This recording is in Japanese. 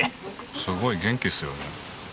すごい元気っすよね。